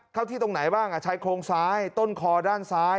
เข้าที่ตรงไหนบ้างชายโครงซ้ายต้นคอด้านซ้าย